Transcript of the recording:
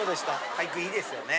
俳句いいですよね。